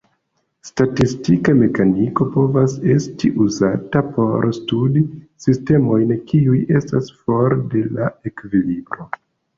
Statistika mekaniko povas esti uzata por studi sistemojn kiuj estas for de la ekvilibro.